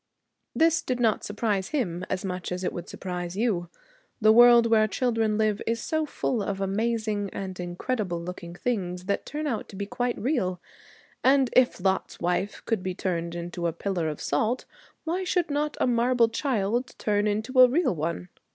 This did not surprise him as much as it would surprise you: the world where children live is so full of amazing and incredible looking things that turn out to be quite real. And if Lot's wife could be turned into a pillar of salt, why should not a marble child turn into a real one?